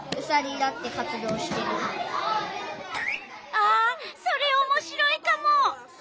あそれおもしろいカモ。